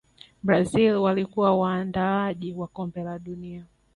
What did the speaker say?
brazil walikuwa waandaaji wa kombe la dunia